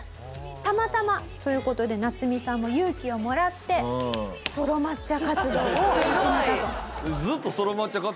たまたまという事でナツミさんも勇気をもらってソロ抹茶活動を始めたと。